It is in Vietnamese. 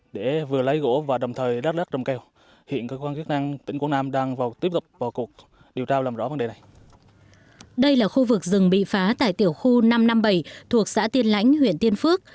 đây là khu vực rừng bị phá tại tiểu khu năm trăm năm mươi bảy thuộc xã tiên lãnh huyện tiên phước